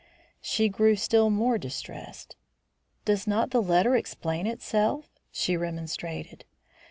She grew still more distressed. "Does not the letter explain itself?" she remonstrated.